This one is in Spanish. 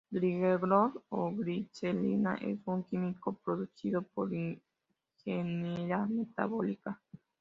Glicerol o glicerina es un químico producido por ingeniería metabólica.